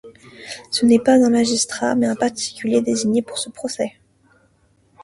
Ce n'est pas un magistrat mais un particulier désigné pour ce procès.